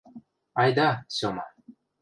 Айда, Сёма.